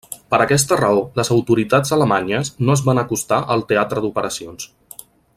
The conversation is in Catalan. Per aquesta raó, les autoritats alemanyes no es van acostar al teatre d'operacions.